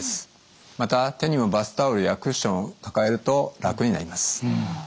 また手にもバスタオルやクッションを抱えると楽になります。